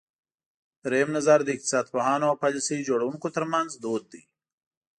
درېیم نظر د اقتصاد پوهانو او پالیسۍ جوړوونکو ترمنځ دود دی.